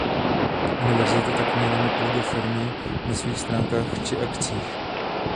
Univerzita tak měla mít logo firmy na svých stránkách či akcích.